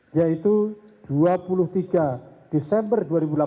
yaitu dua puluh tiga desember dua ribu delapan belas